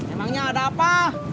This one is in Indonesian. emangnya ada apa